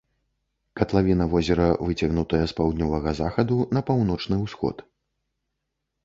Катлавіна возера выцягнутая з паўднёвага захаду на паўночны ўсход.